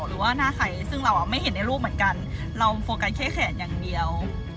หรือว่าหน้าใครซึ่งเราไม่เห็นในรูปเหมือนกันเราโฟกัสแค่แขนอย่างเดียว